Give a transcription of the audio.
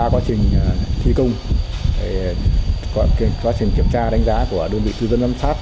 quá trình thi công quá trình kiểm tra đánh giá của đơn vị tư dân giám sát